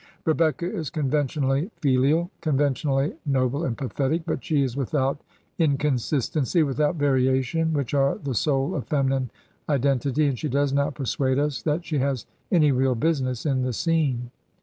Rebecca is conventionally filial, conventionally noble and pathetic; but she is without inconsistency, without variation, which are the soul of feminine identity, £ind she does not persuade us that she has any real business in the scene.